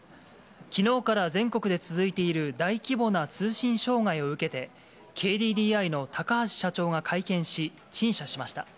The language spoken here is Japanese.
きのうから全国で続いている大規模な通信障害を受けて、ＫＤＤＩの高橋社長が会見し、陳謝しました。